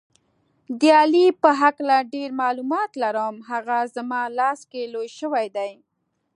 د علي په هکله ډېر معلومات لرم، هغه زما لاس کې لوی شوی دی.